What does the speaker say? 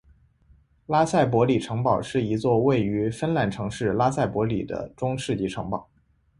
拉塞博里城堡是一座位于芬兰城市拉塞博里的中世纪城堡。